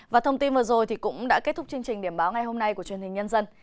và thông tin vừa rồi cũng đã kết thúc chương trình điểm báo ngày hôm nay của truyền hình nhân dân